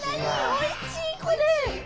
おいしいこれ！